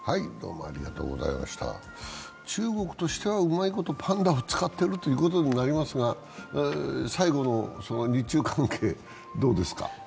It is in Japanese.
中国としてはうまいことパンダを使っているということになりますが、最後の、日中関係、どうですか？